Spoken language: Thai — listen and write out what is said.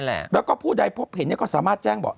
แล้วก็ผู้ใดพบเห็นก็สามารถแจ้งบอก